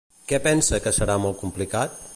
Què pensa que serà molt complicat?